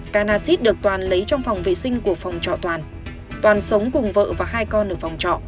các nà xít được toàn lấy trong phòng vệ sinh của phòng trọ toàn toàn sống cùng vợ và hai con ở phòng trọ